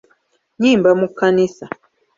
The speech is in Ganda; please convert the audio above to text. Nnyimba mu kkanisa.